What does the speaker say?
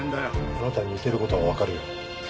あなたに似てる事はわかるよ。